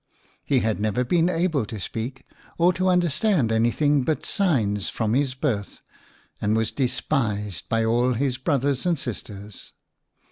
He had never been able to speak, or understand anything but signs from his birth, and was despised by all his brothers and sisters.